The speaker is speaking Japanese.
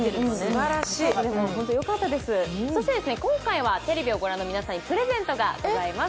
そして今回はテレビを御覧の皆さんにプレゼントがあります。